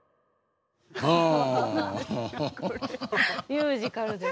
ミュージカルで。